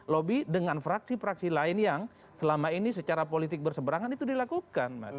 lobby dengan fraksi fraksi lain yang selama ini secara politik berseberangan itu dilakukan